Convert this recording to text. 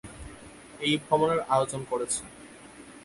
এই ভ্রমনের আয়োজন করেছে।